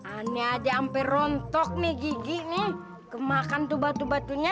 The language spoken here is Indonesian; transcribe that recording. aneh aja ampe rontok nih gigi nih ke makan tuh batu batunya